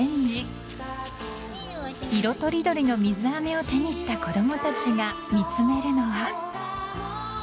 ［色とりどりの水あめを手にした子供たちが見つめるのは］